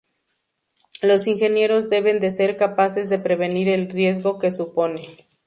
Los ingenieros deben de ser capaces de prevenir el riesgo que supone.